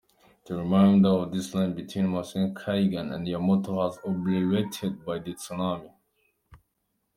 The remainder of the line between Matsushima-Kaigan and Yamoto was obliterated by the tsunami.